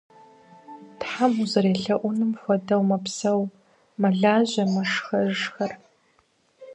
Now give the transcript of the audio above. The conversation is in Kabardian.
Тхьэм узэрелъэӏунум хуэдэу мэпсэу, мэлажьэ, мэшхэжхэр.